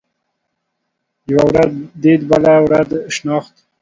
يوه ورځ ديد ، بله ورځ شناخت.